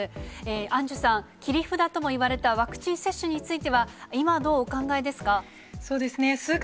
アンジュさん、切り札ともいわれたワクチン接種については、今、どうお考えですか。